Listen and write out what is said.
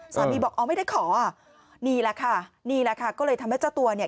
สามีบอกอ้อไม่ได้ขอนี่แหละค่ะก็เลยทำให้เจ้าตัวเนี่ย